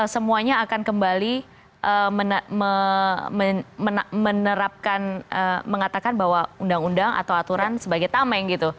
semuanya akan kembali menerapkan mengatakan bahwa undang undang atau aturan sebagai tameng gitu